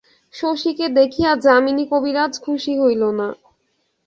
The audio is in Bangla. শশীকে দেখিয়া যামিনী কবিরাজ খুশি হইল না।